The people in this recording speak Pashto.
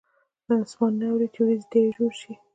اسمان نه اوري چې ورېځې ترې جوړې شي.